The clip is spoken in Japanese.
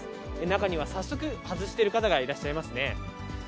中には早速、外している方がいらっしゃいますね。